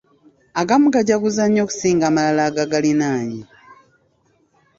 Agamu gajjuza nnyo okusinga amalala agagaliraanye.